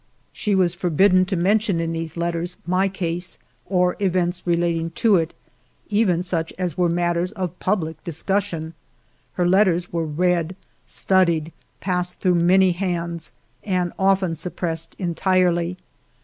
She was forbidden to mention in these letters my case or events relating to it, even such as were matters of public discussion. Her letters were read, studied, passed through many hands, and often suppressed entirely.